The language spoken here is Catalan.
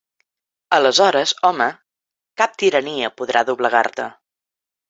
Aleshores, home, cap tirania podrà doblegar-te.